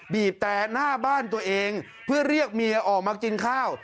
บีบแต่หน้าบ้านตัวเองเพื่อเรียกเมียออกมากินข้าว